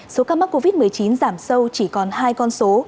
số ca mắc covid một mươi chín giảm sâu chỉ còn hai con số